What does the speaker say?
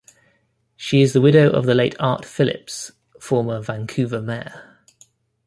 She is the widow of the late Art Phillips, former Vancouver mayor.